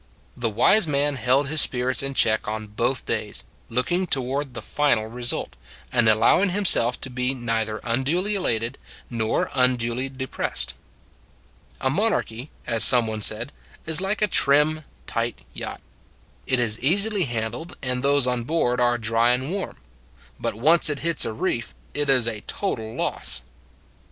The wise man held his spirits in check on both days, looking toward the final result, and allowing himself to be neither unduly elated nor unduly depressed. A monarchy, as some one said, is like a trim, tight yacht. It is easily handled, and those on board are dry and warm. But once it hits a reef it is a total loss.